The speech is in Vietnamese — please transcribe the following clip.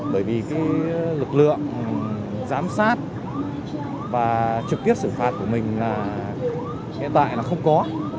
bởi vì cái lực lượng giám sát và trực tiếp xử phạt của mình hiện tại là không có